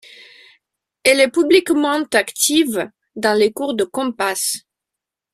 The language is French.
Elle est publiquement active dans les cours de compás.